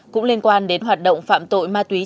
cũng liên quan đến hoạt động phạm tội ma túy trên địa bàn